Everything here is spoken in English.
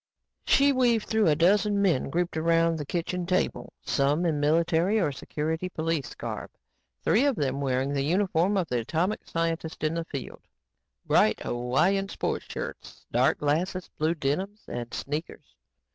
She weaved through a dozen men grouped around the kitchen table, some in military or security police garb, three of them wearing the uniform of the atomic scientist in the field bright Hawaiian sports shirts, dark glasses, blue denims and sneakers.